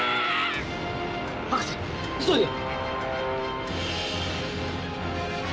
博士急いで！